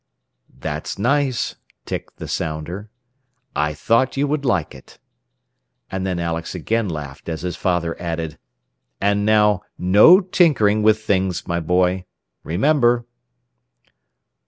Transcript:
"That's nice," ticked the sounder. "I thought you would like it." And then Alex again laughed as his father added, "And now, no tinkering with things, my boy! Remember!"